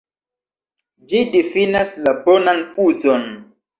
Ĝi difinas la "bonan uzon".